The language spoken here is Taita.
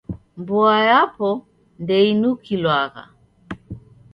Mboa yapo ndeinukilwagha.